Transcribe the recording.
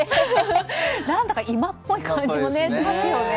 何だか今っぽい感じもしますね。